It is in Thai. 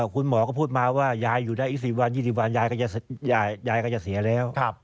คุณหมอก็พูดมาว่ายายอยู่ได้อีก๔วัน๒๐วันยายก็จะเสียแล้ว